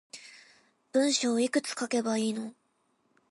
文章いくつ書けばいいの